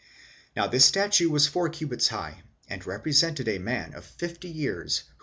'Now this statue was four cubits high, and represented a man of fifty years who.